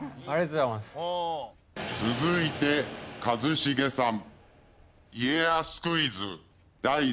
続いて一茂さん。